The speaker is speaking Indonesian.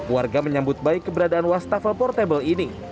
warga menyambut baik keberadaan wastafel portable ini